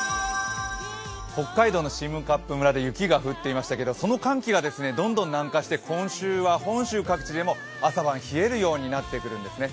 北海道の占冠村で雪が降っていましたがその寒気がどんどん南下して今週は本州各地でも、朝晩冷えるようになってきたんですね。